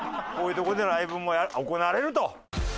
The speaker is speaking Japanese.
こういう所でライブも行われると。